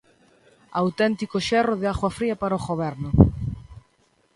Auténtico xerro de auga fría para o Goberno.